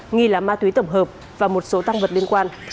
nghi là ma túy tổng hợp và một số tăng vật liên quan